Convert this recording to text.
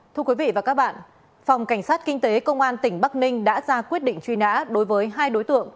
thưa quý vị và các bạn phòng cảnh sát kinh tế công an tỉnh bắc ninh đã ra quyết định truy nã đối với hai đối tượng